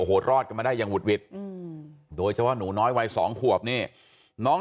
โหรอดกันมาได้ยังหุดวิดโดยจะว่าหนูน้อยวัย๒ขวบนี่น้อง